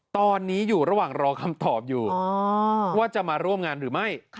ตอนนี้อยู่ระหว่างรอคำตอบอยู่ว่าจะมาร่วมงานหรือไม่